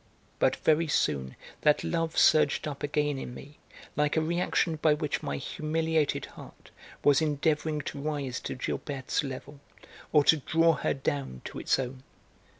But very soon that love surged up again in me like a reaction by which my humiliated heart was endeavouring to rise to Gilberte's level, or to draw her down to its own.